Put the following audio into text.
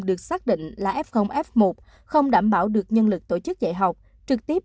được xác định là f f một không đảm bảo được nhân lực tổ chức dạy học trực tiếp